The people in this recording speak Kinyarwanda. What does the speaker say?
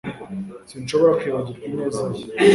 Sinshobora kwibagirwa ineza ye